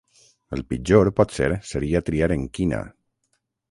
El pitjor, potser, seria triar en quina.